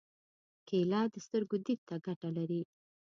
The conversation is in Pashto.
کېله د سترګو دید ته ګټه لري.